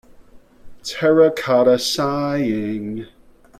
Terracotta Sighing.